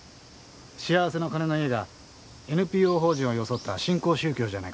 しあわせの鐘の家がＮＰＯ法人を装った新興宗教じゃないかと。